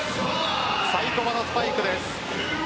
サイコバのスパイクです。